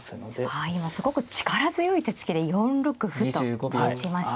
ああ今すごく力強い手つきで４六歩と打ちました。